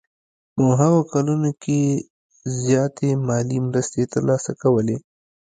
په هغو کلونو کې یې زیاتې مالي مرستې ترلاسه کولې.